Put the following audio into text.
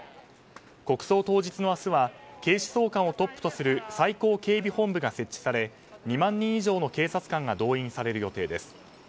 国葬当日の明日は警視総監をトップとする最高警備本部が設置され２万人以上の警察官が動員される予定です。